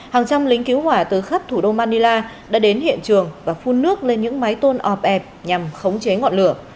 hàng trăm lính cứu hỏa từ khắp thủ đô manila đã đến hiện trường và phun nước lên những máy tôn ọp ẹp nhằm khống chế ngọn lửa